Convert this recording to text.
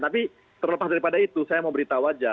tapi terlepas daripada itu saya mau beritahu aja